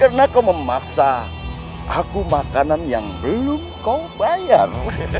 karena kau memaksa aku makanan yang belum kau bayar